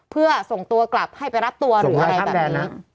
เพื่อส่งตัวกลับให้ไปรับตัวหรืออะไรแบบนี้